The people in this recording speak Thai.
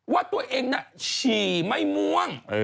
ว่าตัวเองน่ะฉี่ไม่ม่วง